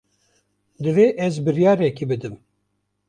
Divê ez biryarekê bidim.